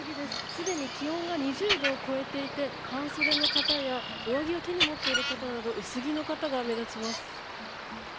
すでに気温が２０度を超えていて半袖の方や上着を手に持っている方など薄着の方が目立ちます。